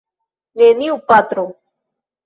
Neniu, patro!